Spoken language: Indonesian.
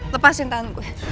lepasin tangan gue